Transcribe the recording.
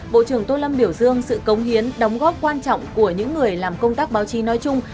bộ trưởng tô lâm biểu dương sự công hiến đóng góp quan trọng của những người làm công tác báo chí nói chung